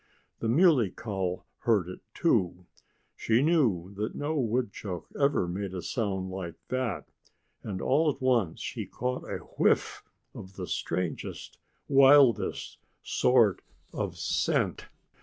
The Muley Cow heard it too. She knew that no woodchuck ever made a sound like that. And all at once she caught a whiff of the strangest, wildest sort of scent.